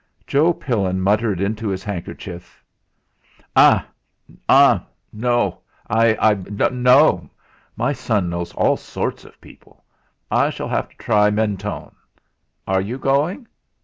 Joe Pillin muttered into his handkerchief "Ali! H'm! No I no! My son knows all sorts of people. I shall have to try Mentone. Are you going?